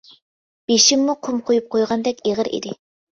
بېشىممۇ قۇم قۇيۇپ قويغاندەك ئېغىر ئىدى.